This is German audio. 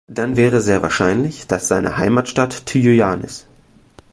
Dann wäre sehr wahrscheinlich, dass seine Heimatstadt Taiyuan ist.